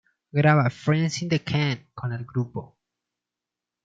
Graba "Friends In The Can" con el grupo.